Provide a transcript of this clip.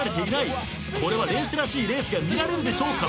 これはレースらしいレースが見られるでしょうか